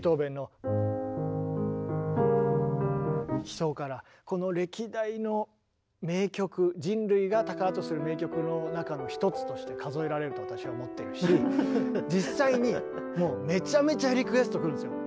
「悲愴」からこの歴代の名曲人類が宝とする名曲の中の一つとして数えられると私は思っているし実際にもうめちゃめちゃリクエストくるんですよ。